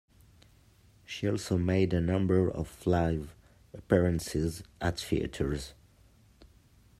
She also made a number of live appearances at theatres.